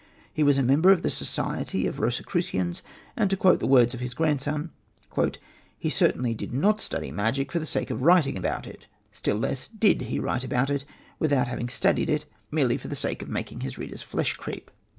He was a member of the society of Rosicrucians, and, to quote the words of his grandson, "he certainly did not study magic for the sake of writing about it, still less did he write about it, without having studied it, merely for the sake of making his readers' flesh creep."